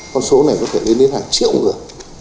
con số này có thể lên đến hàng triệu người